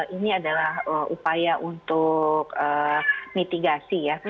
ini adalah upaya untuk mitigasi ya